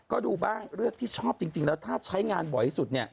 ก็ดูบ้างเลือกที่ชอบจริงแล้วถ้าใช้งานบ่อยสุดเนี่ย